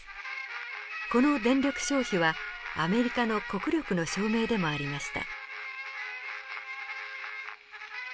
この電力消費はアメリカの国力の証明でもありました。